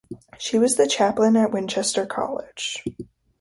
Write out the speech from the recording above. He was the chaplain at Winchester College.